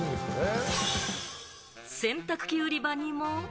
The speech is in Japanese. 洗濯機売り場にも。